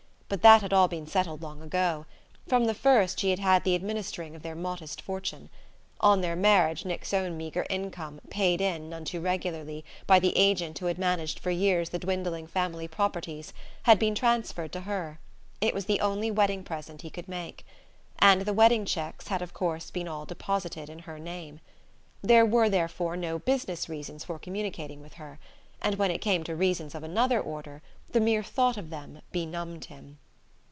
But that had all been settled long ago. From the first she had had the administering of their modest fortune. On their marriage Nick's own meagre income, paid in, none too regularly, by the agent who had managed for years the dwindling family properties, had been transferred to her: it was the only wedding present he could make. And the wedding cheques had of course all been deposited in her name. There were therefore no "business" reasons for communicating with her; and when it came to reasons of another order the mere thought of them benumbed him.